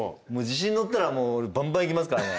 自信乗ったらバンバンいきますからね。